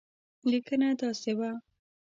لیکنه داسې وه.